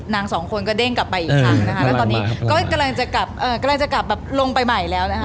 นางสองคนก็เด้งกลับอีกทางนะคะและตอนนี้กูกำลังจะกลับลงไปใหม่แล้วนะคะ